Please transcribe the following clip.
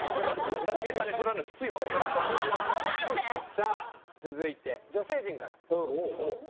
さあ続いて女性陣からぱるる。